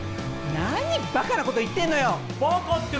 なにばかなこと言ってんのよ。